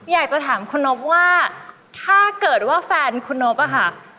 อยากจะถามคุณนบว่าถ้าเกิดว่าแฟนคุณนบอะค่ะ